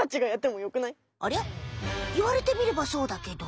いわれてみればそうだけど？